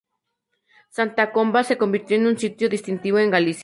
Santa Comba se convirtió en un sitio distintivo en Galicia.